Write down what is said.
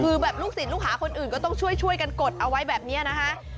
คือแบบลูกศิษย์ลูกหาคนอื่นก็ต้องช่วยกันกดเอาไว้แบบนี้นะคะ